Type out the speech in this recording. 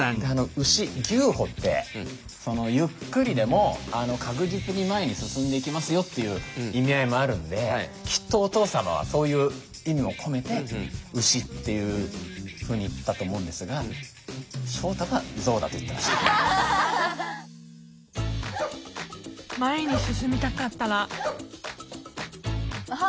牛牛歩ってゆっくりでも確実に前に進んでいきますよっていう意味合いもあるんできっとお父様はそういう意味も込めて牛っていうふうに言ったと思うんですが前に進みたかったらあっ！